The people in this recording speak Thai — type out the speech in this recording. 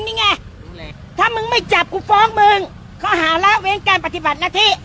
นี่ไงถ้ามึงไม่จับกูฟ้องมึงเขาหาละเว้นการปฏิบัติหน้าที่